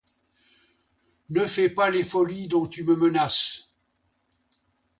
Ne fais pas les folies dont tu me menaces.